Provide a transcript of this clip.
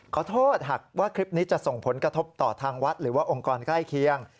ขอโทษหากว่าคลิปนี้จะส่งผลกระทบต่อทางวัดหรือว่าองค์กรใกล้เคียง